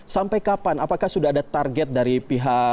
sampai kapan apakah sudah ada target dari pihak